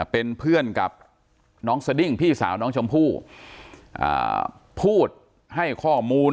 เป็นเพื่อนกับน้องสดิ้งพี่สาวน้องชมพู่พูดให้ข้อมูล